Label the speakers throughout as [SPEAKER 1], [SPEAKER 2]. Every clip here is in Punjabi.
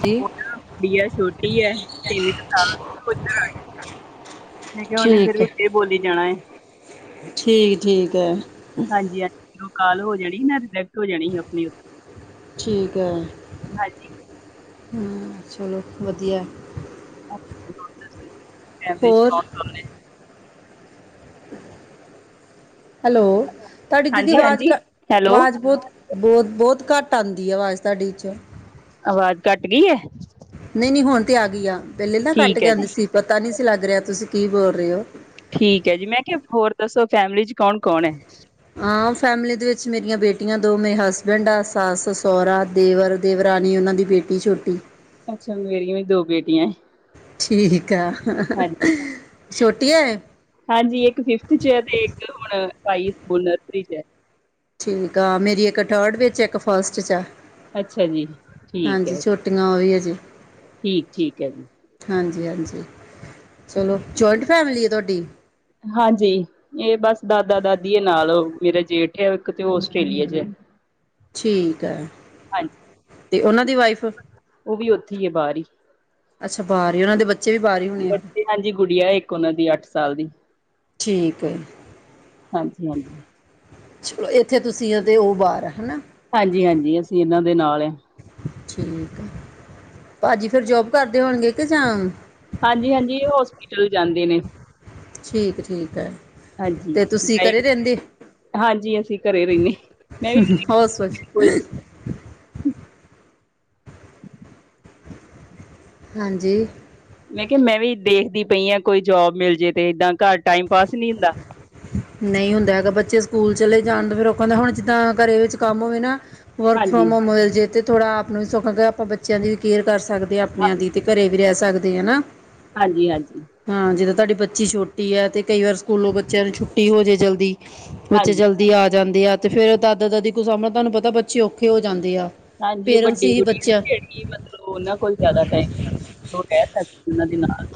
[SPEAKER 1] ਜੀ
[SPEAKER 2] ਔੱਨਾ ਗੂੜੀਆਂ ਛੋਟੀ ਐ, ਤੇ ਇਨੀ ਥਕਾਵਟ [unintelligible] ਮੈਂ ਕਿਹਾ ਉਹਨੇ ਫੇਰ
[SPEAKER 1] ਠੀਕ ਹੈ
[SPEAKER 2] ਵਿੱਚੇ ਬੋਲੀ ਜਾਣਾ ਏ।
[SPEAKER 1] ਠੀਕ, ਠੀਕ ਹੈ।
[SPEAKER 2] ਹਾਂਜੀ ਹਾਂਜੀ, ਦੋ ਕਾਲ ਹੋ ਜਾਣੀ ਨਾ ਰਿਜੈਕਟ ਹੋ ਜਾਣੀ ਹੀ ਅਪਣੀ ਊ
[SPEAKER 1] ਠੀਕ ਹੈ।
[SPEAKER 2] ਹਾਂਜੀ
[SPEAKER 1] ਹੂੰ, ਚਲੋ ਵਧੀਆ।
[SPEAKER 2] ਕੈਮਰੇ ਚ
[SPEAKER 1] ਹੋਰ
[SPEAKER 2] ਕੌਣ-ਕੌਣ ਏ?
[SPEAKER 1] ਹੈਲੋ, ਤੁਹਾਡੀ ਦੀਦੀ
[SPEAKER 2] ਹਾਂਜੀ
[SPEAKER 1] ਆਵਾਜ਼
[SPEAKER 2] ਹਾਂਜੀ
[SPEAKER 1] ਕੱ
[SPEAKER 2] ਹੈਲੋ
[SPEAKER 1] ਆਵਾਜ਼ ਬਹੁਤ ਬਹੁਤ-ਬਹੁਤ ਘੱਟ ਆਂਉਦੀ ਏ ਆਵਾਜ਼ ਤੁਹਾਡੀ ਇਹ'ਚੋ।
[SPEAKER 2] ਆਵਾਜ਼ ਘੱਟ ਗਈ ਏ‌।
[SPEAKER 1] ਨਹੀਂ- ਨਹੀਂ, ਹੁਣ ਤੇ ਆ ਗਈ ਆ, ਪਹਿਲੇ ਨਾ
[SPEAKER 2] ਠੀਕ
[SPEAKER 1] ਕੱਟਕੇ
[SPEAKER 2] ਹੈ ਜੀ
[SPEAKER 1] ਆਉਦੀ ਸੀ ਪਤਾ ਨਹੀਂ ਸੀ ਲੱਗ ਰਿਹਾ ਤੁਸੀਂ ਕੀ ਬੋਲ ਰਹੇ ਹੋ,?
[SPEAKER 2] ਠੀਕ ਹੈ ਜੀ ਮੈਂ ਕਿਹਾ ਹੋਰ ਦੱਸੋ'ਫੈਮਿਲੀ ਚ ਕੌਣ -ਕੌਣ ਐ?
[SPEAKER 1] ਹਾਂ, ਫੈਮਿਲੀ ਦੇ ਵਿੱਚ ਮੇਰੀਆਂ ਬੇਟੀਆਂ ਦੋ, ਮੇਰੇ ਹਸਬੈਂਡ ਆ ਸੱਸ, ਸਹੁਰਾ, ਦੇਵਰ ਦੇਵਰਾਨੀ, ਉਹਨਾਂ ਦੀ ਬੇਟੀ ਛੋਟੀ।
[SPEAKER 2] ਅੱਛਾ ਮੇਰੀਆਂ ਵੀ ਦੋ ਬੇਟੀਆਂ।
[SPEAKER 1] ਠੀਕ ਆ,
[SPEAKER 2] ਹਾਂਜੀ
[SPEAKER 1] ਛੋਟੀਆਂ
[SPEAKER 2] ਹਾਂਜੀ ਇੱਕ ਫਿਫਥ 'ਚ ਹੈ ਤੇ ਇੱਕ ਹੁਣ ਪਾਈ ਸਕੂਲ਼ ਨਰਸਰੀ ਚ ਹੈ।
[SPEAKER 1] ਠੀਕ ਆ। ਮੇਰੀ ਇੱਕ ਥਰਡ ਵਿੱਚ ਇੱਕ ਫਸਟ 'ਚ ਆ।
[SPEAKER 2] ਅੱਛਾ ਜੀ। ਠੀਕ
[SPEAKER 1] ਹਾਂਜੀ
[SPEAKER 2] ਹੈ,
[SPEAKER 1] ਛੋਟੀਆਂ ਉਹ ਵੀ ਹੈ ਜੀ
[SPEAKER 2] ਠੀਕ -ਠੀਕ ਹੈ ਜੀ।
[SPEAKER 1] ਹਾਂਜੀ- ਹਾਂਜੀ ਚਲੋ, ਜੁਆਇੰਟ ਫੈਮਿਲੀ ਹੈ ਤੁਹਾਡੀ?
[SPEAKER 2] ਹਾਂਜੀ। ਇਹ ਬਸ ਦਾਦਾ ਦਾਦੀ ਨਾਲ ਮੇਰੇ ਜੇਠ ਆ ਇੱਕ ਤੇ ਉਹ ਆਸਟ੍ਰੇਲੀਆ ਚ ਹੈ।
[SPEAKER 1] ਠੀਕ ਹੈ
[SPEAKER 2] ਹਾਂਜੀ
[SPEAKER 1] ਤੇ ਉਹਨਾਂ ਦੀ ਵਾਈਫ?
[SPEAKER 2] ਉਹ ਵੀ ਉੱਥੇ ਹੀ ਹੈ ਬਾਹਰ ਹੀ
[SPEAKER 1] ਅੱਛਾ ਬਾਹਰ ਹੀ ਉਹਨਾਂ ਦੇ ਬੱਚੇ ਵੀ ਬਾਹਰ ਹੀ ਹੋਣੇ ਆ?
[SPEAKER 2] ਬੱਚੇ ਹਾਂਜੀ ਗੁੜੀਆ ਇੱਕ ਉਹਨਾਂ ਦੀ ਅੱਠ ਸਾਲ ਦੀ।
[SPEAKER 1] ਠੀਕ ਹੈ।
[SPEAKER 2] ਹਾਂਜੀ ਹਾਂਜੀ
[SPEAKER 1] ਇੱਥੇ ਤੁਸੀਂ ਅੰਦਰ ਤੇ ਉਹ ਬਾਹਰ।
[SPEAKER 2] ਹਾਂਜੀ- ਹਾਂਜੀ ਅਸੀਂ ਉਹਨਾਂ ਦੇ ਨਾਲ ਏ।
[SPEAKER 1] ਠੀਕ ਆ, ਭਾਜੀ ਫਿਰ ਜੋਬ ਕਰਦੇ ਹੋਣਗੇ ਕਿ ਜਾਂ
[SPEAKER 2] ਹਾਂਜੀ -ਹਾਂਜੀ ਉਹ ਹੋਸਪਿਟਲ ਜਾਂਦੇ ਨੇ।
[SPEAKER 1] ਠੀਕ, ਠੀਕ ਹੈ।
[SPEAKER 2] ਹਾਂਜੀ
[SPEAKER 1] ਅਤੇ ਤੁਸੀਂ
[SPEAKER 2] ਗਏ,
[SPEAKER 1] ਘਰ ਰਹਿੰਦੇ
[SPEAKER 2] ਹਾਂਜੀ ਅਸੀਂ ਘਰੇ ਰਹਿੰਦੇ। ਮੈਂ ਵੀ
[SPEAKER 1] ਹੋ ਸਵੱਛ
[SPEAKER 2] ਕੋਈ
[SPEAKER 1] ਹਾਂਜੀ।
[SPEAKER 2] ਮੈਂ ਕਿਹਾ ਮੈਂ ਵੀ ਦੇਖਦੀ ਪਈ ਆ, ਕੋਈ ਜੋਬ ਮਿਲ ਜੇ ਤੇ ਏਦਾਂ ਘਰ ਟਾਈਮ ਪਾਸ ਨਹੀ ਹੁੰਦਾ।
[SPEAKER 1] ਨਹੀਂ ਹੁੰਦਾ ਹੈਗਾ ਬੱਚੇ ਸਕੂਲ ਚਲੇ ਜਾਣ ਤੇ ਫੇਰ ਔਖੈ ਨਾ ਹੁਣ ਜਿੱਦਾਂ ਘਰੇ ਵਿੱਚ ਕੰਮ ਹੋਵੇ ਨਾ ਵਰਕ
[SPEAKER 2] ਹਾਂਜੀ
[SPEAKER 1] ਫਰੋਮ ਹੋਮ ਹੋ ਜੇ ਤੇ ਥੋੜਾ ਆਪ ਨੂੰ ਵੀ ਸੌਖਾ ਆਪਾਂ ਬੱਚਿਆਂ ਦੀ ਵੀ ਕੇਅਰ ਕਰ ਸਕਦੇ ਹਾਂ ਆਪਿਆਂ ਦੀ ਤੇ ਘਰੇ ਵੀ ਰਹਿ ਸਕਦੇ ਹਨਾ।
[SPEAKER 2] ਹਾਂਜੀ ਹਾਂਜੀ।
[SPEAKER 1] ਹਾਂ ਜਿਦਾ ਤੁਹਾਡੀ ਬੱਚੀ ਛੋਟੀ ਹੈ ਤੇ ਕਈ ਵਾਰ ਸਕੂਲੋਂ ਬੱਚਿਆਂ ਨੂੰ ਛੁੱਟੀ ਹੋ ਜੇ ਜਲਦੀ ਬੱਚੇ
[SPEAKER 2] ਹਾਂਜੀ
[SPEAKER 1] ਜਲਦੀ ਆ ਜਾਂਦੇ ਆ ਤੇ ਫੇਰ ਦਾਦਾ ਦਾਦੀ ਕੋ ਸਾਹਮਣੇ ਤੁਹਾਨੂੰ ਪਤਾ ਬੱਚੇ ਔਖੇ ਹੋ ਜਾਂਦੇ ਆ।
[SPEAKER 2] ਹਾਂਜੀ ਉਹ
[SPEAKER 1] ਪੇਰੈਂਟਸ
[SPEAKER 2] ਵੱਡੀ
[SPEAKER 1] ਹੀ
[SPEAKER 2] ਕੁੜੀ ਆ
[SPEAKER 1] ਬੱਚਾ
[SPEAKER 2] ਜਿਹੜੀ ਉਹਨਾਂ ਕੋਲ ਜ਼ਿਆਦਾ ਟਾਈਮ ਰਹਿ ਸਕਦੇ ਉਹਨਾਂ ਦੇ ਨਾਲ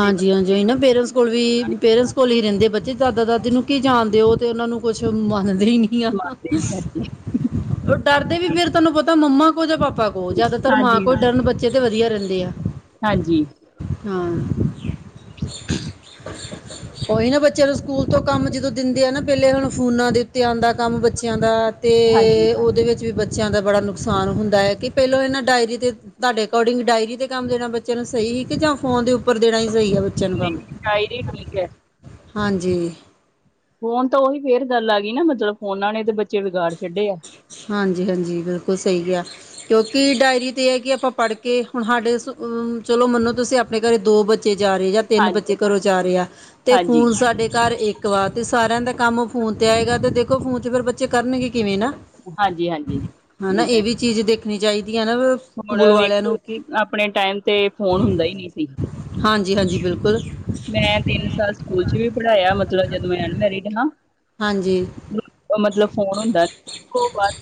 [SPEAKER 2] ਤੇ ਪਤਾ
[SPEAKER 1] ਹਾਂਜੀ ਨਾ ਪੇਰੈਂਟਸ ਕੋਲ ਵੀ
[SPEAKER 2] ਨੀ
[SPEAKER 1] ਪੇਰੈਂਟਸ ਕੋਲ ਹੀ ਰਹਿੰਦੇ ਬੱਚੇ ਦਾਦਾ ਦਾਦੀ ਨੂੰ ਕੀ ਜਾਣਦੇ ਹੋ ਤੇ ਉਹਨਾਂ ਨੂੰ ਕੁਛ ਮੰਨਦੇ ਹੀ ਨਹੀਂ
[SPEAKER 2] ਮੰਨਦੇ ਵੀ ਹੈ ਨੀ
[SPEAKER 1] ਉਹ ਡਰਦੇ ਵੀ
[SPEAKER 2] ਕਿ ਨਹੀਂ।
[SPEAKER 1] ਫੇਰ ਤੁਹਾਨੂੰ ਪਤਾ ਮੰਮਾ ਕੋ ਜਾਂ ਪਾਪਾ ਕੋ ਜਿਆਦਾਤਰ ਮਾਂ
[SPEAKER 2] ਹਾਂਜੀ
[SPEAKER 1] ਕੋਈ
[SPEAKER 2] ਹਾਂਜੀ
[SPEAKER 1] ਡਰਨ ਬੱਚੇ ਤੇ ਵਧੀਆ ਰਹਿੰਦੇ ਆ।
[SPEAKER 2] ਹਾਂਜੀ।
[SPEAKER 1] ਹਾਂ ਉਹੀ ਨਾ ਬੱਚਿਆਂ ਨੂੰ ਸਕੂਲ ਤੋਂ ਕੰਮ ਜਦੋਂ ਦਿੰਦੇ ਆ ਨਾ ਪਹਿਲੇ ਹੁਣ ਫੋਨਾਂ ਦੇ ਉੱਤੇ ਆਉਂਦਾ ਕੰਮ ਬੱਚਿਆਂ ਦਾ ਤੇ
[SPEAKER 2] ਹਾਂਜੀ
[SPEAKER 1] ਉਹਦੇ ਵਿੱਚ ਵੀ ਬੱਚਿਆਂ ਦਾ ਬੜਾ ਨੁਕਸਾਨ ਹੁੰਦਾ ਹੈ ਕਿ ਪਹਿਲਾਂ ਇਹਨਾਂ ਡਾਇਰੀ 'ਤੇ ਤੁਹਾਡੇ ਅਕੋਰਡਿੰਗ ਡਾਇਰੀ ਤੇ ਕੰਮ ਦੇਣਾ ਬੱਚਿਆਂ ਨੂੰ ਸਹੀ ਜਾਂ ਫੋਨ ਦੇ ਉੱਪਰ ਦੇਣਾ ਹੀ ਸਹੀ ਆ ਬੱਚਿਆਂ ਨੂੰ
[SPEAKER 2] ਨਹੀਂ
[SPEAKER 1] ਕੰਮ
[SPEAKER 2] ਸ਼ਾਇਰੀ ਠੀਕ ਹੈ
[SPEAKER 1] ਹਾਂਜੀ
[SPEAKER 2] ਫੋਨ ਤਾਂ ਉਹੀ ਫੇਰ ਗੱਲ ਆ ਗਈ ਨਾ ਮਤਲਬ ਫੋਨਾਂ ਨੇ ਤੇ ਬੱਚੇ ਵਿਗਾੜ ਛੱਡੇ ਹੈ।
[SPEAKER 1] ਹਾਂਜੀ ਹਾਂਜੀ ਬਿਲਕੁਲ ਸਹੀ ਕਿਹਾ ਕਿਉਂਕਿ ਡਾਇਰੀ ਤੇ ਇਹ ਕਿ ਆਪਾਂ ਪੜ੍ਹ ਕੇ ਹੁਣ ਸਾਡੇ ਚਲੋ ਮੰਨੋ ਤੁਸੀਂ ਆਪਣੇ ਘਰੇ ਦੋ ਬੱਚੇ ਜਾ ਰਹੇ ਜਾਂ ਤਿੰਨ
[SPEAKER 2] ਹਾਂਜੀ
[SPEAKER 1] ਬੱਚੇ ਘਰੋਂ ਜਾ ਰਹੇ ਆ ਤੇ
[SPEAKER 2] ਹਾਂਜੀ
[SPEAKER 1] ਫੋਨ ਸਾਡੇ ਘਰ ਇੱਕ ਵ ਤੇ ਸਾਰਿਆਂ ਦਾ ਕੰਮ ਫੋਨ ਤੇ ਆਏਗਾ ਤੇ ਦੇਖੋ ਫੋਨ ਚ ਫਿਰ ਬੱਚੇ ਕਰਨਗੇ ਕਿਵੇਂ ਨਾ
[SPEAKER 2] ਹਾਂਜੀ ਹਾਂਜੀ
[SPEAKER 1] ਹਨਾ
[SPEAKER 2] ਠੀਕ ਹੈ।
[SPEAKER 1] ਇਹ ਵੀ ਚੀਜ਼ ਦੇਖਣੀ ਚਾਹੀਦੀ ਹੈ ਨਾ
[SPEAKER 2] ਹੁਣ
[SPEAKER 1] ਸਕੂਲ
[SPEAKER 2] ਵੇਖ
[SPEAKER 1] ਵਾਲਿਆਂ ਨੂੰ ਕਿ
[SPEAKER 2] ਆਪਣੇ ਟਾਈਮ ਤੇ ਫੋਨ ਹੁੰਦਾ ਹੀ ਨਹੀਂ ਸੀ।
[SPEAKER 1] ਹਾਂਜੀ ਹਾਂਜੀ ਬਿਲਕੁਲ
[SPEAKER 2] ਮੈਂ ਤਿੰਨ ਸਾਲ ਸਕੂਲ ਚ ਵੀ ਪੜ੍ਹਾਇਆ ਮਤਲਬ ਜਦੋਂ ਮੈਂ ਅਨਮੈਰਿਡ ਹਾਂ
[SPEAKER 1] ਹਾਂਜੀ।
[SPEAKER 2] ਮਤਲਬ ਫੋਨ ਹੁੰਦਾ ਬਾਦ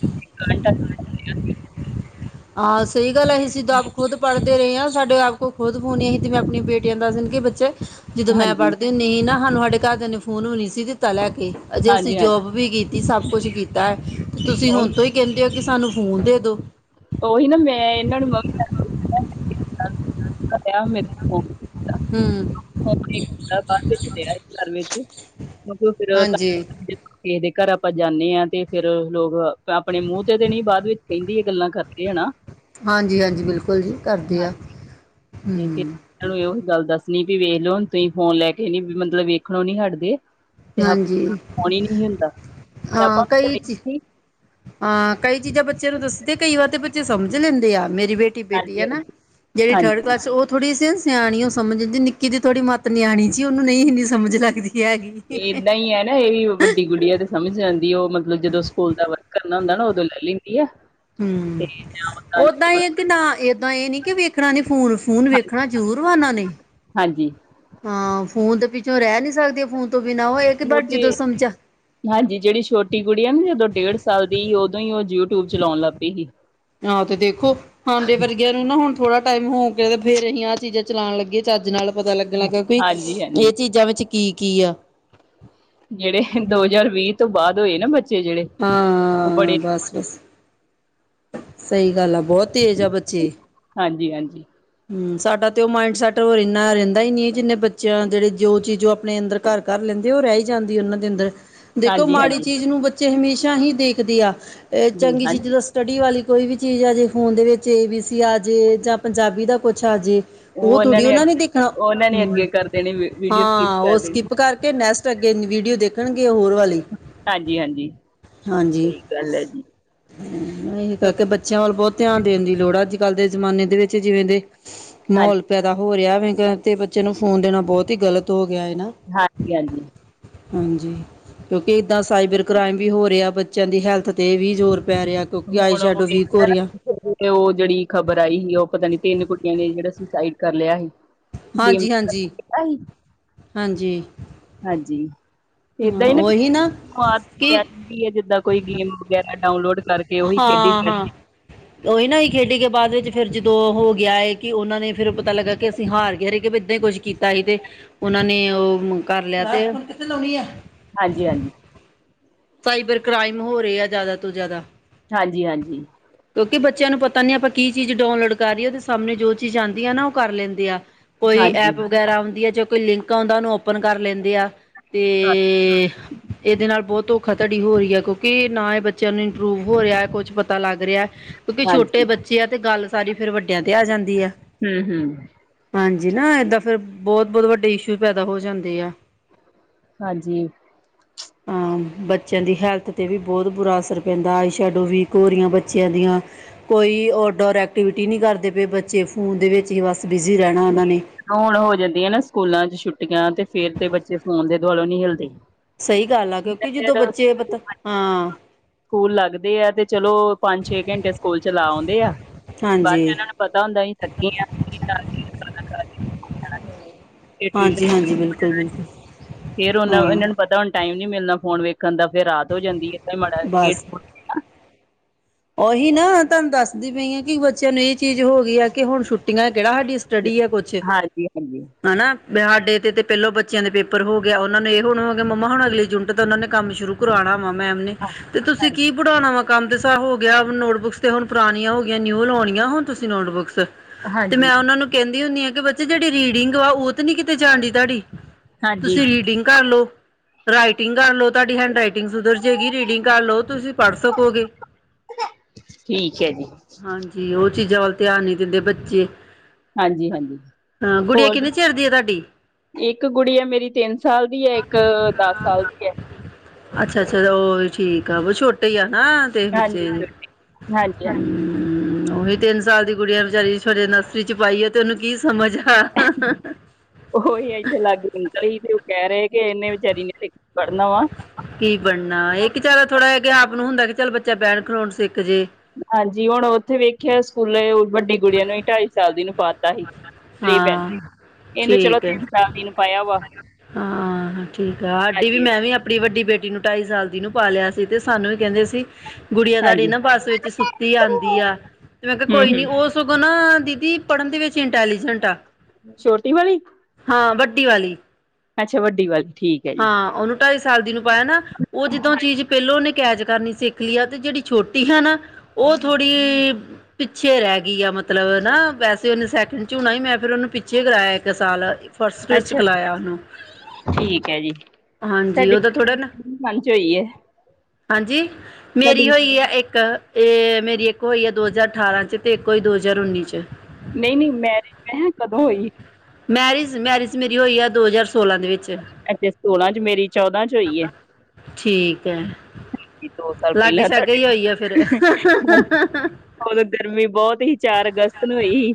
[SPEAKER 1] ਹਾਂ ਸਹੀ ਗੱਲ ਅਸੀ ਤਾਂ ਆਪ
[SPEAKER 2] ਹਾਂਜੀ
[SPEAKER 1] ਖੁਦ ਪੜ੍ਹਦੇ ਰਹੇ ਹਾਂ ਸਾਡੇ ਆਪ ਕੋਲ ਖੁਦ ਹੋੋਨ ਅ ਸੀ ਮੈਂ ਆਪੀਆਂ ਬੇਟੀਆਂ ਨੂੰ ਦੱਸ ਦੇ ਕਿ ਬੱਚੇ ਜਦੋਂ ਮੈਂ
[SPEAKER 2] ਹਾਂਜੀ
[SPEAKER 1] ਪੜ੍ਹਦੇ ਨਹੀਂ ਨਾ ਸਾਨੂੰ ਸਾਡੇ ਘਰਦਿਆਂ ਨੇ ਫੋਨ ਵੀ ਨੀ ਸੀ ਦਿੱਤਾ ਲੈ ਕੇ ਜੇ ਅਸੀਂ
[SPEAKER 2] ਹਾਂਜੀ ਹਾਂਜੀ
[SPEAKER 1] ਜੋਬ ਵੀ ਕੀਤੀ ਸਭ ਕੁਛ ਕੀਤਾ ਤੁਸੀਂ
[SPEAKER 2] ਉਹੀ
[SPEAKER 1] ਹੁਣ ਤੋਂ ਹੀ ਕਹਿੰਦੇ ਹੋ ਕਿ ਸਾਨੂੰ ਫੋਨ ਦੇ ਦੋ
[SPEAKER 2] ਉਹੀ ਨਾ ਮੈਂ ਇਹਨਾਂ ਨੂੰ ਮੇ
[SPEAKER 1] ਹਮ
[SPEAKER 2] ਹਾਂ ਜੀ, ਬਾਰ੍ਹਵੀਂ ਵਿੱਚ ਸੀ, ਮਤਲਬ ਫਿਰ।
[SPEAKER 1] ਹਾਂਜੀ
[SPEAKER 2] [unintelligible] ਕਿਸੇ ਦੇ ਘਰ ਆਪਾਂ ਜਾਂਦੇ ਹਾਂ ਤੇ ਫੇਰ ਲੋਕ ਆਪਣੇ ਮੂੰਹ ਤੇ ਤੇ ਨੀ ਬਾਅਦ ਵਿੱਚ ਕਹਿੰਦੀ ਹੈ ਗੱਲਾਂ ਕਰ [unintelligible]
[SPEAKER 1] ਹਾਂਜੀ ਹਾਂਜੀ ਬਿਲਕੁਲ ਜੀ ਕਰਦੇ ਆ
[SPEAKER 2] ਹਾਂਜੀ ਤੇ
[SPEAKER 1] ਹੂੰ
[SPEAKER 2] ਫਿਰ ਨੂੰ ਇਹ ਗੱਲ ਦੱਸਣੀ ਵੀ ਵੇਖ ਲੋ ਤੁਸੀ ਫੋਨ ਲੈ ਕੇ ਨੀ ਮਤਲਬ ਵੇਖਣ ਨੀ ਹਟਦੇ ਤੇ ਆਪ
[SPEAKER 1] ਹਾਂਜੀ
[SPEAKER 2] ਫੋਨ ਨਹੀਂ ਹੁੰਦਾ ਤੇ
[SPEAKER 1] ਹਾਂ
[SPEAKER 2] ਆਪਾਂ
[SPEAKER 1] ਕਈ ਚੀ
[SPEAKER 2] ਰਹੀ
[SPEAKER 1] ਹਾਂ ਕਈ ਚੀਜ਼ਾਂ ਬੱਚਿਆਂ ਨੂੰ ਦੱਸਦੇ ਕਈ ਵਾਰ ਤੇ ਬੱਚੇ ਸਮਝ ਲੈਂਦੇ ਆ ਮੇਰੀ ਬੇਟੀ ਬੇਟੀ
[SPEAKER 2] ਹਾਂਜੀ
[SPEAKER 1] ਹੈ ਨਾ
[SPEAKER 2] ਹਾਂਜੀ
[SPEAKER 1] ਜਿਹੜੀ ਥਰਡ
[SPEAKER 2] ਹਾਂਜੀ
[SPEAKER 1] ਕਲਾਸ ਉਹ ਥੋੜ੍ਹੀ ਅਸੀ ਸਿਆਣੀ ਉਹ ਸਮਝ ਹੁੰਦੀ ਨਿੱਕੀ ਦੀ ਥੋੜੀ ਮੱਤ ਨਿਆਣੀ ਸੀ ਉਹਨੂੰ ਨਹੀਂ ਇੰਨੀ ਸਮਝ ਲਗਦੀ ਹੈਗੀ
[SPEAKER 2] ਏਦਾਂ ਹੀ ਹੈ ਨਾ ਇਹ ਵੱਡੀ ਗੁੜੀਆ ਤੇ ਸਮਝ ਜਾਂਦੀ ਉਹ ਮਤਲਬ ਜਦੋਂ ਸਕੂਲ ਦਾ ਕਰਨਾ ਹੁੰਦਾ ਨਾ ਉਦੋਂ ਲੈ ਲੈਂਦੀ ਏਂ
[SPEAKER 1] ਹਮ ਓਦਾਂ ਇਹ ਕਿ ਨਾ ਏਦਾਂ ਇਹ ਨੀ ਕਿ ਵੇਖਣਾ ਨੀ ਫੋਨ ਫੋਨ
[SPEAKER 2] ਮਤਲਬ
[SPEAKER 1] ਵੇਖਣਾ ਜ਼ਰੂਰ ਵਾ ਉਹਨਾਂ ਨੇ
[SPEAKER 2] ਹਾਂਜੀ
[SPEAKER 1] ਹਾਂ ਫੋਨ ਤਾਂ ਪਿੱਛੋਂ ਰਹਿ ਨੀ ਸਕਦੇ ਫੋਨ ਤ ਤੋਂ ਬਿਨਾਂ ਹੋਏ ਕਿ
[SPEAKER 2] ਉਹ
[SPEAKER 1] ਬਟ
[SPEAKER 2] ਤੇ
[SPEAKER 1] ਜਦੋਂ ਸਮਝਾ
[SPEAKER 2] ਹਾਂਜੀ ਜਿਹੜੀ ਛੋਟੀ ਕੁੜੀ ਆ ਨਾ ਜਦੋਂ ਡੇਢ ਸਾਲ ਦੀ ਸੀ ਉਦੋਂ ਹੀ ਉਹ ਯੂਟਿਊਬ ਚਲਾਉਣ ਲੱਗ ਪਈ ਸੀ।
[SPEAKER 1] ਆਂ ਤੇ ਦੇਖੋ, ਹਾਂਡੇ ਵਰੀ ਨੂੰ ਨਾ ਹੁਣ ਥੋੜਾ ਟਾਈਮ ਹੋ ਕੇ ਤੇ ਫੇਰ ਅਸੀਂ ਆਹ ਚੀਜ਼ਾਂ ਚਲਾਉਣ ਲੱਗੇ ਚੱਜ ਨਾਲ। ਪਤਾ ਲੱਗਣਾ ਕਿਉਂਕਿ
[SPEAKER 2] ਹਾਂਜੀ
[SPEAKER 1] ਇਹ
[SPEAKER 2] ਹਾਂਜੀ
[SPEAKER 1] ਚੀਜ਼ਾਂ ਵਿੱਚ ਕੀ-ਕੀ ਆ।
[SPEAKER 2] ਜਿਹੜੇ ਦੋ ਹਜ਼ਾਰ ਵੀਹ ਤੋਂ ਬਾਅਦ ਹੋਏ ਨਾ ਬ
[SPEAKER 1] ਹਾਂ, ਬਸ-ਬਸ, ਸਹੀ ਗੱਲ ਆ ਬਹੁਤ ਤੇਜ ਆ ਬੱਚੇ।
[SPEAKER 2] ਹਾਂਜੀ ਹਾਂਜੀ।
[SPEAKER 1] ਹਮ ਸਾਡਾ ਤੇ ਉਹ ਮਾਇੰਡ ਸੈਟਰ ਇੰਨਾ ਰਹਿੰਦਾ ਹੀ ਨਹੀਂ ਜਿੰਨੇ ਬੱਚਿਆਂ ਜਿਹੜੇ ਜੋ ਚੀਜ਼ ਆਪਣੇ ਅੰਦਰ ਘਰ ਕਰ ਲੈਂਦੇ ਉਹ ਰਹਿ ਹੀ ਜਾਂਦੀ ਉਹਨਾਂ ਦੇ ਅੰਦਰ। ਦੇਖੋ
[SPEAKER 2] ਹਾਂਜੀ
[SPEAKER 1] ਮਾੜੀ
[SPEAKER 2] ਹਾਂਜੀ
[SPEAKER 1] ਚੀਜ਼ ਨੂੰ ਬੱਚੇ ਹਮੇਸ਼ਾ ਹੀ ਦੇਖਦੇ ਆ,
[SPEAKER 2] ਜੀ
[SPEAKER 1] ਚੰਗੀ ਚੀਜ਼
[SPEAKER 2] ਹਾਂਜੀ
[SPEAKER 1] ਦਾ ਸਟੱਡੀ ਵਾਲੀ ਕੋਈ ਵੀ ਚੀਜ਼ ਆ ਜੇ ਫੋਨ ਦੇ ਵਿੱਚ, ਏ ਬੀ ਸੀ ਆ ਜੇ ਜਾਂ ਪੰਜਾਬੀ ਦਾ ਕੁਛ ਆਜੇ ਉਹ ਥੋੜੀ ਉਹਨਾਂ ਨੇ ਦੇਖਣਾ,
[SPEAKER 2] ਉਹਨਾਂ ਨੇ
[SPEAKER 1] ਹਮ,
[SPEAKER 2] ਅੱਗੇ ਕਰ ਦੇਣੇ ਵੀਡੀਓ ਸਕਿਪ
[SPEAKER 1] ਹਾਂ ਉਹ
[SPEAKER 2] ਕਰ ਦੇਣੀ
[SPEAKER 1] ਸਕਿਪ ਕਰਕੇ ਨੈਸਟ ਅੱਗੇ ਵੀਡੀਓ ਦੇਖਣਗੇ ਹੋਰ ਵਾਲੀ।
[SPEAKER 2] ਹਾਂਜੀ ਹਾਂਜੀ,
[SPEAKER 1] ਹਾਂਜੀ
[SPEAKER 2] ਸਹੀ ਗੱਲ ਹੈ ਜੀ।
[SPEAKER 1] ਇਹੀ ਕਰਕੇ ਬੱਚਿਆਂ ਵੱਲ ਬਹੁਤ ਧਿਆਨ ਦੇਣ ਦੀ ਲੋੜ ਆ ਅੱਜ ਅੱਜ-ਕੱਲ ਦੇ ਜਮਾਨੇ ਦੇ ਵਿੱਚ ਜਿਵੇਂ ਦੇ
[SPEAKER 2] ਹਾਂਜੀ
[SPEAKER 1] ਮਾਹੌਲ ਪੈਦਾ ਹੋ ਰਿਹਾ ਵੈਂ ਅਤੇ ਬੱਚੇ ਨੂੰ ਫੋਨ ਦੇਣਾ ਬਹੁਤ ਹੀ ਗਲਤ ਹੋ ਗਿਆ ਹੈ ਨਾ।
[SPEAKER 2] ਹਾਂਜੀ ਹਾਂਜੀ।
[SPEAKER 1] ਹਾਂਜੀ। ਕਿਉਂਕਿ ਏਦਾਂ ਸਾਈਬਰ ਕ੍ਰਾਈਮ ਵੀ ਹੋ ਰਿਹਾ, ਬੱਚਿਆਂ ਦੀ ਹੈਲਥ ਤੇ ਵੀ ਜ਼ੋਰ ਪੈ ਰਿਹਾ ਕਿਉਂਕਿ ਆਈ
[SPEAKER 2] ਹੁਣ ਉਹ
[SPEAKER 1] ਸ਼ੈਡੋ ਵੀਕ ਹੋ
[SPEAKER 2] ਵੇਖਿਆ
[SPEAKER 1] ਰਹੀਹਾ
[SPEAKER 2] ਨਾ ਉਹ ਜਿਹੜੀ ਖ਼ਬਰ ਆਈ ਸੀ, ਉਹ ਪਤਾ ਨੀ ਤਿੰਨ ਕੁੜੀਆਂ ਨੇ ਜਿਹੜਾ ਸੁਸਾਈਡ ਕਰ ਲਿਆ ਸੀ। ਗੇਮ
[SPEAKER 1] ਹਾਂਜੀ ਹਾਂਜੀ,
[SPEAKER 2] ਸੀ
[SPEAKER 1] ਹਾਂਜੀ।
[SPEAKER 2] ਹਾਂਜੀ ਤੇ ਏਦਾਂ
[SPEAKER 1] ਹਾਂ
[SPEAKER 2] ਹੀ ਨਾ [inaudible]
[SPEAKER 1] ਉਹੀ ਕਿ
[SPEAKER 2] [unintelligible] ਵੀ ਹੈ ਜਿੱਦਾਂ ਕੋਈ ਗੇਮ ਵਗੈਰਾ ਡਾਊਨਲੋਡ ਕਰ
[SPEAKER 1] ਹਾਂ ਹਾਂ। ਓਹੀ ਨਾ ਹੀ ਖੇਡੀ ਗੇ ਬਾਅਦ ਵਿੱਚ ਫਿਰ ਜਦੋਂ ਹੋ ਗਿਆ ਹੈ ਕਿ ਉਹਨਾਂ ਨੇ ਫਿਰ ਪਤਾ ਲੱਗਾ ਕਿ ਸੀਂ ਹਾਰ ਕੇਰੇ ਕਿ ਏਦਾਂ ਹੀ ਕੁਛ ਕੀਤਾ ਸੀ ਤੇ ਉਹਨਾ ਨੇ ਉਹ ਕਰ ਲਿਆ ਤੇ [unintelligible]
[SPEAKER 2] ਹਾਂਜੀ-ਹਾਂਜੀ।
[SPEAKER 1] ਸਾਈਬਰ ਕ੍ਰਾਈਮ ਹੋ ਰਹੇ ਆ ਜ਼ਿਆਦਾ ਤੋਂ ਜ਼ਿਆਦਾ।
[SPEAKER 2] ਹਾਂਜੀ-ਹਾਂਜੀ।
[SPEAKER 1] ਕਿਉਂਕਿ ਬੱਚਿਆਂ ਨੂੰ ਪਤਾ ਨੀ ਆਪਾਂ ਕੀ ਚੀਜ਼ ਡਾਊਨਲੋਡ ਕਰ ਰਹੀਏ ਤੇ ਸਾਹਮਣੇ ਜੋ ਚੀਜ਼ ਆਉਂਦੀ ਆ ਨਾ ਉਹ ਕਰ ਲੈਂਦੇ ਆ। ਕੋਈ
[SPEAKER 2] ਹਾਂਜੀ
[SPEAKER 1] ਐਪ ਵਗੈਰਾ ਆਉਂਦੀ ਹੈ ਜਾਂ ਕੋਈ ਲਿੰਕ ਆਉਂਦਾ, ਉਹਨੂੰ ਓਪਨ ਕਰ ਲੈਂਦੇ ਆ। ਤੇ--ਇਹਦੇ ਨਾਲ ਬਹੁਤ ਧੋਖਾ ਧੜੀ ਹੋ ਰਹੀ ਹੈ। ਕਿਉਂਕਿ ਨਾ ਇਹ ਬੱਚਿਆਂ ਨੂੰ ਇੰਪਰੂਵ ਹੋ ਰਿਹਾ ਹੈ ਕੁੱਛ ਪਤਾ ਲੱਗ ਰਿਹਾ, ਕਿਉਂਕਿ ਛੋਟੇ
[SPEAKER 2] ਹਾਂਜੀ
[SPEAKER 1] ਬੱਚੇ ਆ ਤੇ ਗੱਲ ਸਾਰੀ ਫਿਰ ਵੱਡਿਆਂ ਤੇ ਆ ਜਾਂਦੀ ਹੈ।
[SPEAKER 2] ਹੂੰ ਹੂੰ
[SPEAKER 1] ਹਾਂਜੀ, ਨਾ ਏਦਾਂ ਫਿਰ ਬਹੁਤ-ਬਹੁਤ ਵੱਡੇ ਇਸ਼ੂ ਪੈਦਾ ਹੋ ਜਾਂਦੇ ਆ
[SPEAKER 2] ਹਾਂਜੀ।
[SPEAKER 1] ਹਾਂ ਬੱਚਿਆਂ ਦੀ ਹੈਲਥ ਤੇ ਵੀ ਬਹੁਤ ਬੁਰਾ ਅਸਰ ਪੈਂਦਾ ਆਈ ਸ਼ੈਡੋ ਵੀ ਕੋਰੀਆਂ ਬੱਚਿਆਂ ਦੀਆਂ। ਕੋਈ ਆਊਟਡੋਰ ਐਕਟੀਵਿਟੀ ਨਹੀਂ ਕਰਦੇ ਪਏ ਬੱਚੇ ਫੋਨ ਦੇ ਵਿੱਚ ਹੀ ਬਸ ਬਸ ਬਿਜ਼ੀ ਰਹਿਣਾ ਉਹਨਾਂ ਨੇ
[SPEAKER 2] ਹੁਣ ਹੋ ਜਾਂਦੀਆਂ ਨਾ ਸਕੂਲਾਂ ਚ ਛੁੱਟੀਆਂ, ਤੇ ਫੇਰ ਤੇ ਬੱਚੇ ਫੋਨ ਦੇ ਦੁਆਲੋ ਨਹੀਂ ਹਿਲਦੇ।
[SPEAKER 1] ਸਹੀ ਗੱਲ ਆ, ਕਿਉਂਕਿ ਜਦੋਂ
[SPEAKER 2] ਫਿਰ
[SPEAKER 1] ਬੱਚੇ ਪਤਾ--ਹਾਂ
[SPEAKER 2] ਸਕੂਲ ਲੱਗਦੇ ਆ ਤੇ ਚਲੋ ਪੰਜ-ਛੇ ਘੰਟੇ ਸਕੂਲ ਚ ਲਾ ਆਉਂਦੇ ਆ ਬਾਦ ਚ
[SPEAKER 1] ਹਾਂਜੀ
[SPEAKER 2] ਇਹਨਾਂ ਨੂੰ ਪਤਾ ਹੁੰਦਾ ਅਸੀ ਥੱਕੇ ਆਂ ਅੱਾਛ [unintelligible] [inaudible] ਫਿਰ ਟਿਊਸ਼ਨ
[SPEAKER 1] ਹਾਂਜੀ ਹਾਂਜੀ ਬਿਲਕੁਲ ਬਿਲਕੁਲ।
[SPEAKER 2] ਫੇਰ ਉਹਨਾ
[SPEAKER 1] ਹਾਂ
[SPEAKER 2] ਇਹਨਾਂ ਨੂੰ ਪਤਾ ਹੁਣ ਟਾਈਮ ਨੀ ਮਿਲਣਾ ਫੋਨ ਵੇਖਣ ਦਾ ਫੇਰ ਰਾਤ ਹੋ ਜਾਂਦੀ ਏ।
[SPEAKER 1] ਬਸ
[SPEAKER 2] [unintelligible]
[SPEAKER 1] ਉਹੀ ਨਾ ਤੁਹਾਨੂੰ ਦੱਸਦੀ ਪਈ ਆ ਕਿ ਬੱਚਿਆਂ ਨੂੰ ਇਹ ਚੀਜ਼ ਹੋ ਗਈ ਕਿ ਹੁਣ ਛੁੱਟੀਆਂ ਕਿਹੜਾ ਸਾਡੀ
[SPEAKER 2] ਖੂਡ
[SPEAKER 1] ਸਟੱਡੀ ਆ ਕੁਛ।
[SPEAKER 2] ਹਾਂਜੀ ਹਾਂਜੀ
[SPEAKER 1] ਹਨਾ ਸਾਡੇੇ ਇਥੇ ਤੇ ਪਹਿਲੋਂ ਬੱਚਿਆਂ ਦੇ ਪੇਪਰ ਹੋ ਗਿਆ, ਉਹਨਾਂ ਨੂੰ ਇਹ ਹੋਣਾ ਹੋ ਗਿਆ ਮੰਮਾ ਹੁਣ ਅਗਲੀ ਜੂਨ ਤੇ ਤ ਉਹਨਾਂ ਨੇ ਕੰਮ ਸ਼ੁਰੂ ਕਰਾਣਾ ਵਾ ਮੈਮ ਨੇ ਤੇ ਤੁਸੀਂ
[SPEAKER 2] ਹਾਂ
[SPEAKER 1] ਕੀ ਪੜ੍ਹਾਉਣਾ ਵਾ ਕੰਮ ਤੇ ਹੋ ਗਿਆ ਨੋਟਬੁੱਕਸ ਤੇ ਹੁਣ ਪੁਰਾਣੀਆਂ ਹੋ ਗਈਆਂ ਨਿਊ ਲਾਉਣੀਆਂ ਹੁਣ ਤੁਸੀਂ ਨੋਟਬੁੱਕਸ ਤੇ
[SPEAKER 2] ਹਾਂਜੀ
[SPEAKER 1] ਮੈਂ ਉਹਨਾਂ ਨੂੰ ਕਹਿੰਦੀ ਹੁੰਦੀ ਆ ਕਿ ਬੱਚੇ ਜਿਹੜੀ ਰੀਡਿੰਗ ਵਾ, ਉਹ ਤੇ ਨੀ ਕਿਤੇ ਜਾਣਦੀ ਤੁਹਾਡੀ।
[SPEAKER 2] ਹਾਂਜੀ
[SPEAKER 1] ਤੁਸੀਂ ਰੀਡਿੰਗ ਕਰ ਲਓ। ਰਾਈਟਿੰਗ ਕਰ ਲਓ, ਤੁਹਾਡੀ ਹੈਂਡ ਰਈਟਿੰਗ ਸੁਧਰ ਜਾਵੇਗੀ। ਰੀਡਿੰਗ ਕਰ ਲਓ, ਤੁਸੀਂ ਪੜ੍ਹ ਸਕੋਗੇ।
[SPEAKER 2] ਠੀਕ ਏ ਜੀ।
[SPEAKER 1] ਹਾਂਜੀ, ਉਹ ਚੀਜ਼ਾਂ ਵੱਲ ਧਿਆਨ ਨੀ ਦਿੰਦੇ ਬੱਚੇ
[SPEAKER 2] ਹਾਂਜੀ ਹਾਂਜੀ
[SPEAKER 1] ਹਾਂ, ਗੁੜੀਆਂ
[SPEAKER 2] ਹੋਰ
[SPEAKER 1] ਕਿੰਨੇ
[SPEAKER 2] ਦੱਸੋ?
[SPEAKER 1] ਚਿਰ ਦੀ ਹੈ ਤੁਹਾਡੀ?
[SPEAKER 2] ਇੱਕ ਗੁੜੀਆ ਮੇਰੀ ਤਿੰਨ ਸਾਲ ਦੀ ਐ। ਇੱਕ ਦਸ ਸਾਲ ਦੀ ਐ।
[SPEAKER 1] ਅੱਛਾ-ਅੱਛਾ, ਉਹਹੀ ਠੀਕ ਆ ਛੋਟੇ ਹੀ ਆ ਨਾ।
[SPEAKER 2] ਹਾਂਜੀ।
[SPEAKER 1] ਹਾਂ,
[SPEAKER 2] ਛੋਟੀ ਹਾਂਜੀ ਹਾਂਜੀ
[SPEAKER 1] ਹਾਂਜੀ। ਉਹੀ ਤਿੰਨ ਸਾਲ ਦੀ ਗੁੜੀਆ ਵਿਚਾਰੀ, ਤੁਹਾਡੇ ਨਰਸਰੀ ਚ ਪਾਈ ਆ ਤੇ ਉਹਨੂੰ ਕੀ ਸਮਝ ਆ
[SPEAKER 2] ਉਹੀ ਇੱਥੇ ਲਾਗੇ ਨਿਕਲ ਹੀ ਤੇ ਉਹ ਕਹਿ ਰਹੇ ਕਿ ਇੰਨੇ ਵਿਚਾਰੀ ਨੇ ਪੜ੍ਹਨਾ ਵਾ
[SPEAKER 1] ਕੀ ਬਣਨਾ ਇਹ ਚੱਲ ਥੋੜ੍ਹਾ ਜਿਹਾ ਕਿ ਆਪ ਨੂੰ ਹੁੰਦਾ ਕਿ ਚੱਲ ਬੱਚਾ ਬਹਿਣ ਖਲੋਉਣ ਸਿੱਖ ਜੇ।
[SPEAKER 2] ਹਾਂਜੀ, ਹੁਣ ਉੱਥੇ ਵੇਖਿਆ ਸਕੂਲੇ ਵੱਡੀ ਗੁੜੀਆ ਨੂੰ ਢਾਈ ਸਾਲ ਦੀ ਨੂੰ ਪਾਤਾ ਸੀ।
[SPEAKER 1] ਹਾਂ
[SPEAKER 2] ਇਹਨੂੰ ਚਲੋ
[SPEAKER 1] ਠੀਕ ਹੈ
[SPEAKER 2] ਤਿੰਨ ਸਾਲ ਦੀ ਨੂੰ ਪਾਇਆ ਵਾ
[SPEAKER 1] ਹਾਂ ਠੀਕ ਆ। ਸਾਡੀ ਵੀ
[SPEAKER 2] ਹਾਂਜੀ
[SPEAKER 1] ਮੈਂ ਵੀ ਆਪਣੀ ਵੱਡੀ ਬੇਟੀ ਨੂੰ ਢਾਈ ਸਾਲ ਦੀ ਨੂੰ ਪਾ ਲਿਆ ਸੀ। ਤੇ ਸਾਨੂੰ ਵੀ ਕਹਿੰਦੇ ਸੀ। ਗੁੜੀਆਂ ਤਾੜੀ
[SPEAKER 2] ਹਾਂਜੀ
[SPEAKER 1] ਨਾ ਬੱਸ ਵਿੱਚ ਸੁੱਤੀ ਆਂਦੀ ਆ। ਤੇ ਮੈਂ ਕਿਹਾ
[SPEAKER 2] ਹੂੰ
[SPEAKER 1] ਕੋਈ ਨੀ।
[SPEAKER 2] ਹੂੰ
[SPEAKER 1] ਉਹ ਸਗੋਂ ਨਾ ਦੀਦੀ ਪੜ੍ਹਨ ਦੇ ਵਿੱਚ ਇੰ ਇੰਟੈਲੀਜੈਂਟ ਆ,
[SPEAKER 2] ਛੋਟੀ ਵਾਲੀ
[SPEAKER 1] ਹਾਂ ਵੱਡੀ ਵਾਲੀ
[SPEAKER 2] ਅੱਛਾ ਵੱਡੀ ਵੱਲ, ਠੀਕ। ਹੈ ਜੀ
[SPEAKER 1] ਹਾਂ ਉਹਨੂੰ ਢਾਈ ਸਾਲ ਦੀ ਨੂੰ ਪਾਇਆ ਨਾ, ਉਹ ਜਿੱਦੋਂ ਚੀਜ਼ ਪਹਿਲੋ ਉਹਨੇ ਕੈਚ ਕਰਨੀ ਸਿੱਖ ਲਈ ਆ। ਤੇ ਜਿਹੜੀ ਛੋਟੀ ਆ ਨਾ ਉਹ ਥੋੜ੍ਹੀ ਪਿੱਛੇ ਰਹਿ ਗਈ ਆ ਮਤਲਬ ਨਾ ਵੈਸੇ ਉਹਨੇ ਸੈਕਿੰਡ ਚ ਹੋਣਾ ਹੀ, ਮੈਂ ਫਿਰ ਉਹਨੂੰ ਪਿੱਛੇ ਕਰਾਇਆ ਇੱਕ ਸਾਲ ਫਸਟ ਚ
[SPEAKER 2] ਅੱਛਾ
[SPEAKER 1] ਕਲਾਇਆ ਉਹਨੂੰ
[SPEAKER 2] ਠੀਕ ਐ ਜੀ,
[SPEAKER 1] ਹਾਂਜੀ
[SPEAKER 2] ਸਾਡੇ
[SPEAKER 1] ਉਹਦਾ ਥੋੜਾ ਨਾ
[SPEAKER 2] ਸਨ ਚ ਹੋਈ ਐ।
[SPEAKER 1] ਹਾਂਜੀ, ਮੇਰੀ ਹੋਈ ਆ ਇੱਕ ਇਹ ਮੇਰੀ ਇੱਕ ਹੋਈ ਆ ਦੋ ਹਜ਼ਾਰ ਅਠਾਰਾਂ ਚ ਤੇ ਇੱਕ ਹੋਈ ਦੋ ਹਜ਼ਾਰ ਉੱਨੀ ਚ
[SPEAKER 2] ਨਹੀਂ, ਨਹੀਂ ਮੈਂਰੇਜ ਮੈਂ ਕਿਹਾ ਕਦੋਂ ਹੋਈ ਏ
[SPEAKER 1] ਮੈਰਿਜ, ਮੈਰਿਜ ਮੇਰੀ ਹੋਈ ਆ ਦੋ ਹਜ਼ਾਰ ਸੋਲਾਂ ਦੇ ਵਿੱਚ।
[SPEAKER 2] ਅੱਜੇ ਸੋਲਾਂ ਚ ਮੇਰੀ ਚ ਹੋਈ ਹੈ
[SPEAKER 1] ਠੀਕ ਐ।
[SPEAKER 2] ਜੀ ਸਾਲ
[SPEAKER 1] ਲਾਗੇ
[SPEAKER 2] ਪਹਿਲਾਂ
[SPEAKER 1] ਸ਼ਾਗੇ
[SPEAKER 2] ਤੁਹਾਡੇ
[SPEAKER 1] ਹੀ ਹੋਈ ਆ ਫਿਰ
[SPEAKER 2] ਉਦੋਂ ਗਰਮੀ ਬਹੁਤ ਹੀ ਅਗਸਤ ਨੂੰ ਹੋਈ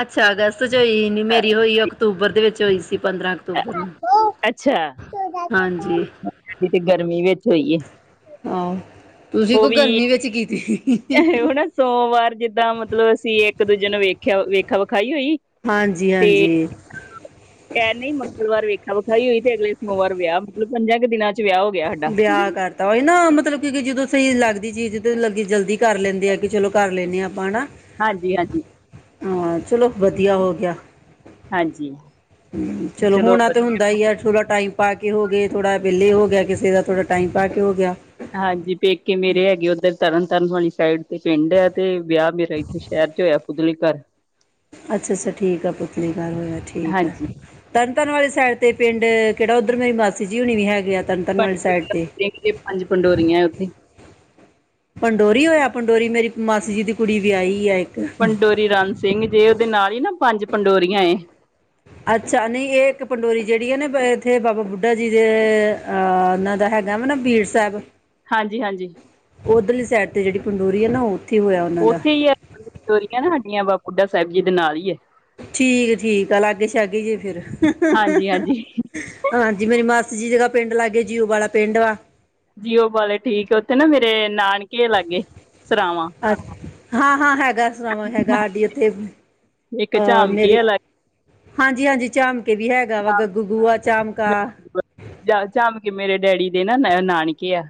[SPEAKER 1] ਅੱਛਾ, ਅਗਸਤ ਚ ਹੋਈ,
[SPEAKER 2] ਸੀ।
[SPEAKER 1] ਮੇਰੀ ਹੋਈ ਅਕਤੂਬਰ ਦੇ ਵਿੱਚ ਹੋਈ ਸੀ ਪੰਦਰਾਂ ਅਕਤੂਬਰ ਹਾਂਜੀ।
[SPEAKER 2] ਤੇ ਸਾਡੀ ਤੇ ਗਰਮੀ ਵਿੱਚ ਹੋਈਏ
[SPEAKER 1] ਆਹੋ, ਤੁਸੀਂ ਕੋ ਗਰਮੀ ਵਿੱਚ ਕੀਤੀ।
[SPEAKER 2] ਹ ਉਹ ਨਾ ਸੋਮਵਾਰ ਜਿੱਦਾਂ ਮਤਲਬ ਅਸੀਂ ਇੱਕ ਦੂਜੇ ਨੂੰ ਵੇਖਿਆ ਵੇਖਾ ਵਿਖਾਈ ਹੋਈ।
[SPEAKER 1] ਹਾਂਜੀ-ਹਾਂਜੀ।
[SPEAKER 2] ਕਹਿ ਨਹੀਂ ਮੰਗਲਵਾਰ ਵੇਖਾ ਵਖਾਈ ਹੀ ਹੋਈ ਤੇ ਅਗਲੇ ਸੋਮਵਾਰ ਵਿਆਹ ਮਤਲਬ ਪੰਜਾਂ ਕੁ ਦਿਨਾਂ ਚ ਵਿਆਹ ਹੋ ਗਿਆ ਸਾਡਾ।
[SPEAKER 1] ਵਿਆਹ ਕਰ ਤਾਂਹੀ ਉਹੀ ਨਾ ਮਤਲਬ ਕਿ ਜਦੋਂ ਸਹੀ ਲੱਗਦੀ ਚੀਜ਼ ਤੇ ਲੱ ਜਲਦੀ ਕਰ ਲੈਂਦੇ ਆ ਕਿ ਚਲੋ ਕਰ ਲੈਂਦੇ ਹਾਂ ਆਪਾਂ ਹਨਾ।
[SPEAKER 2] ਹਾਂਜੀ-ਹਾਂਜੀ।
[SPEAKER 1] ਹਾਂ, ਚਲੋ ਵਧੀਆ ਹੋ ਗਿਆ।
[SPEAKER 2] ਹਾਂਜੀ।
[SPEAKER 1] ਹਮ, ਚਲੋ ਹੁਣ ਏਧਰ ਹੁੰਦਾ ਹੀ ਆ ਥੋੜਾ ਟਾਈਮ ਪਾ ਕੇ ਹੋ ਗਏ, ਥੋੜ੍ਹਾ ਪੇਲੇ ਹੋ ਗਿਆ। ਕਿਸੇ ਦਾ ਥੋੜ੍ਹਾ ਟਾਈਮ ਪਾ ਕੇ ਹੋ ਗਿਆ।
[SPEAKER 2] ਹਾਂਜੀ, ਪੇਕੇ ਮੇਰੇ ਹੈਗੇ ਉੱਧਰ ਤਰਨ ਤਾਰਨ ਵਾਲੀ ਸਾਈਡ ਤੇ ਪਿੰਡ ਹੈ ਤੇ ਵਿਆਹ ਮੇਰਾ ਇੱਥੇ ਸ਼ਹਿਰ ਚ ਹੋਇਆ ਫੁਤਲੀ ਘਰ
[SPEAKER 1] ਅੱਛਾ, ਅੱਛਾ ਠੀਕ ਆ ਪੁਤਲੀ ਘਰ ਹੋਇਆ ਠੀਕ ਆ
[SPEAKER 2] ਹਾਂਜੀ
[SPEAKER 1] ਤਰਨ ਤਾਰਨ ਵਾਲੀ ਸਾਈਡ ਅਤੇ ਪਿੰਡ ਕਿਹੜਾ ਉੱਧਰ ਮੇਰੀ ਮਾਸੀ ਜੀ ਹੁਣੀ ਵੀ ਹੈਗੇ ਆ ਤਰਨ ਤਾਰਨ ਵਾਲੀ ਸਾਈਡ 'ਤੇ
[SPEAKER 2] ਪੰਜ ਪੰਡੋਰੀਆਂ ਉੱਥੇ
[SPEAKER 1] ਪੰਡੋਰੀ ਹੋਇਆ ਪੰਡੋਰੀ ਮੇਰੀ ਮਾਸੀ ਜੀ ਦੀ ਕੁੜੀ ਵਿਆਹੀ ਹੈ।
[SPEAKER 2] ਪੰਡੋਰੀ ਰਾਮ ਸਿੰਘ ਜੇ ਉਹਦੇ ਨਾਲ ਹੀ ਨਾ ਪੰਜ ਪੰਡੋਰੀਆਂ ਏ
[SPEAKER 1] ਅੱਛਾ ਨਹੀਂ ਇਹ ਇੱਕ ਪੰਡੋਰੀ ਜਿਹੜੀ ਹੈ ਨਾ ਇੱਥੇ ਬਾਬਾ ਬੁੱਢਾ ਜੀ ਦੇ ਅਹ ਇਹਨਾਂ ਦਾ ਹੈਗਾ ਵਾ ਨਾ ਬੀੜ ਸਾਹਿਬ
[SPEAKER 2] ਹਾਂਜੀ, ਹਾਂਜੀ।
[SPEAKER 1] ਉੱਧਰਲੀ ਸਾਈਡ 'ਤੇ ਜਿਹੜੀ ਪੰਡੋਰੀ ਹੈ ਨਾ ਉਹ
[SPEAKER 2] ਉੱਥੇ ਹੀ ਹੈਰੀਆਂ ਨਾ ਸਾਡੀਆਂ ਬਾਬਾ ਬੁੱਢਾ ਸਾਹਿਬ ਜੀ ਦੇ ਨਾਲ ਹੀ ਹੈ।
[SPEAKER 1] ਠੀਕ, ਠੀਕ ਲਾਗੇ ਛਾਗੇ ਫਿਰ
[SPEAKER 2] ਹਾਂਜੀ-ਹਾਂਜੀ
[SPEAKER 1] ਹਾਂਜੀ ਮੇਰੀ ਮਾਸੀ ਜੀ ਦਾ ਪਿੰਡ ਲਾਗੇ ਜਿਊ ਵਾਲਾ ਪਿੰਡ ਵਾ
[SPEAKER 2] ਜੀਓ ਵਾਲੇ ਠੀਕ ਉੱਥੇ ਨਾ ਮੇਰੇ ਨਾਨਕੇ ਲਾਗੇ ਸਰਾਵਾਂ
[SPEAKER 1] ਹਾਜੀ ਹਾਂ ਹਾਂ ਹੈਗਾ ਵਾਂ ਹੈਗਾ ਅਡੀ ਉੱਥੇ
[SPEAKER 2] ਇੱਕ
[SPEAKER 1] ਅਹ
[SPEAKER 2] ਝਾਮਕੀ
[SPEAKER 1] ਮੇਰੀ
[SPEAKER 2] ਆ
[SPEAKER 1] ਹਾਂਜੀ, ਹਾਂਜੀ ਚਮਕਾ ਵੀ ਹੈਗਾ ਵਾ ਗੱਗੂ ਗੂਆ ਚਾਮਕਾ
[SPEAKER 2] ਜਾ ਜਮ ਕੇ ਮੇਰੇ ਡੈਡੀ ਦੇ ਨਾ ਨਾਨਕੇ ਆ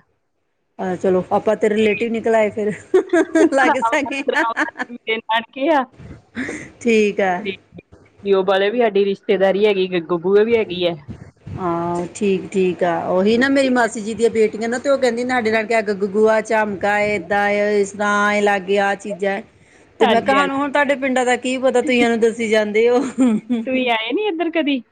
[SPEAKER 1] ਆਹ ਚਲੋ ਪਾਪਾਂ ਤੇ ਰਿਲੇਟਿਵ ਨਿਕਲ ਆਏ ਫਿਰ ਲਾਗੇ ਸਾਗੇ
[SPEAKER 2] ਮੇਰੇ ਨਾਨਕੇ
[SPEAKER 1] ਠੀਕ ਆ
[SPEAKER 2] ਨਓ ਵਾਲੇ ਵੀ ਸਾਡੀ ਰਿਸ਼ਤੇਦਾਰੀ ਹੈਗੀ ਗਬੂ ਵੀ ਹੈਗੀ ਹੈ।
[SPEAKER 1] ਆ ਠੀਕ, ਠੀਕ ਆ ਉਹੀ ਨਾ ਮੇਰੀ ਮਾਸੀ ਜੀ ਦੀਆਂ ਬੇਟੀਆਂ ਨਾ ਤੇ ਉਹ ਕਹਿੰਦੀ ਸਾਡੇ ਨਾਲ ਕ ਗਗੂਆ ਚ ਏਦਾਂ, ਏਦਾ ਇਸਦਾ ਆ ਲਾਗੇ ਆਹ ਚੀਜ਼ਾਂ ਤੇ ਮੈਂ ਕਿਹਾ ਹਾਨੂੰ
[SPEAKER 2] ਹਾਂਜੀ-ਹਾਂਜੀ
[SPEAKER 1] ਹੁਣ ਤੁਹਾਡੇ ਪਿੰਡਾਂ ਦਾ ਕੀ ਪਤਾ ਤੁਸੀਂ ਇਹਨੂੰ ਦੱਸੀ ਜਾਂਦੇ ਹੋ
[SPEAKER 2] ਏ ਨੀ ਏਧਰ ਕਦੀ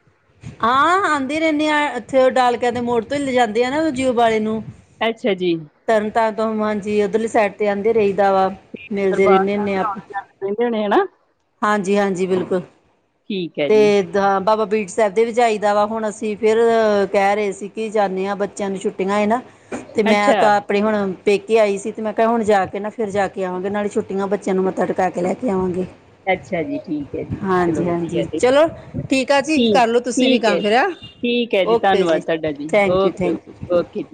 [SPEAKER 1] ਹਾਂ ਆਂਦੀ ਰਹਿੰਨੀ ਆ ਉੱਥੇ ਉਹ ਡਾਲ ਕਿਆਂਦੇ ਮੋੜ ਤੋਂ ਈ ਲਿਜਾਦੇ ਆ ਨਾ ਜੀਊ ਵਾਲੇ ਨੂੰ
[SPEAKER 2] ਅੱਛਾ ਜੀ।
[SPEAKER 1] ਤਰਨ ਤਾਰਨ ਤੋਂ ਮ ਹਾਂਜੀ ਉੱਧਰਲੀ ਸਾਈਡ ਤੇ ਆਂਦੇ ਰਹਿੰਦਾ ਵਾ ਮਿਲਦੇ
[SPEAKER 2] ਦਰਬਾਰ
[SPEAKER 1] ਰਹਿੰਨੇ
[SPEAKER 2] ਸਾਹਿਬ
[SPEAKER 1] ਹੁੰਨੇ ਆ
[SPEAKER 2] ਤੇ
[SPEAKER 1] ਆਪ
[SPEAKER 2] ਆਉਣਾ ਜਾਣਾ ਰਹਿੰਦੇ ਹੋਣੇ ਹਨਾ
[SPEAKER 1] ਹਾਂਜੀ-ਹਾਂਜੀ ਬਿਲਕੁਲ,
[SPEAKER 2] ਠੀਕ ਹੈ
[SPEAKER 1] ਤੇ
[SPEAKER 2] ਜੀ
[SPEAKER 1] ਦ ਬਾਬਾ ਬੀੜ ਦੇ ਵਿੱਚ ਜਾਈਦਾ ਵਾ ਹੁਣ ਅਸੀਂ ਫਿਰ ਕਹਿ ਰਹੇ ਸੀ ਕਿ ਜਾਂਨੇ ਆ ਬੱਚਿਆਂ ਨੂੰ ਛੁੱਟੀਆਂ ਏ ਨਾ ਤੇ ਮੈਂ
[SPEAKER 2] ਅੱਛਾ
[SPEAKER 1] ਤਾਂ ਆਪਣੇ ਹੁਣ ਪੇਕੇ ਆਈ ਸੀ ਤੇ ਮੈਂ ਕਿਹਾ ਹੁਣ ਜਾ ਕੇ ਨਾ ਫਿਰ ਜਾ ਕੇ ਆਵਾਂਗੇ ਨਾਲੇ ਛੁੱਟੀਆਂ ਬ ਚਿਆਂ ਨੂੰ ਮੱਥਾ ਟਕਾ ਕੇ ਲੈ ਕੇ ਆਵਾਂਗੇ।
[SPEAKER 2] ਅੱਛਾ ਜੀ ਠੀਕ ਹੈ ਜੀ ਚਲੋ
[SPEAKER 1] ਹਾਂਜੀ-ਹਾਂਜੀ
[SPEAKER 2] ਵਧੀਆ ਤੇ
[SPEAKER 1] ਚਲੋ ਠੀਕ ਆ ਜੀ। ਕਰਲੋ ਤੁਸੀਂ ਵੀ
[SPEAKER 2] ਠੀਕ
[SPEAKER 1] ਕੰਮ
[SPEAKER 2] ਹੈ
[SPEAKER 1] ਫਿਰ ਆ
[SPEAKER 2] ਠੀਕ ਹੈ
[SPEAKER 1] ਓਕੇ
[SPEAKER 2] ਧੰਨਵਾਦ
[SPEAKER 1] ਜੀ
[SPEAKER 2] ਤੁਹਾਡਾ
[SPEAKER 1] thank you
[SPEAKER 2] okay okay
[SPEAKER 1] thank you ਓ
[SPEAKER 2] ਓਕੇ ਜੀ